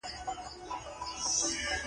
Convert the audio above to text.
مخامخ ځه ، سیده ولاړ شه !